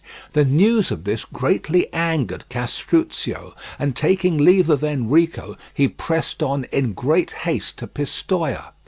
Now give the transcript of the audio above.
The news of this greatly angered Castruccio, and taking leave of Enrico, he pressed on in great haste to Pistoia.